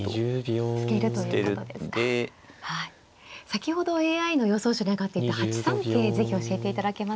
先ほどＡＩの予想手に挙がっていた８三桂是非教えていただけますか。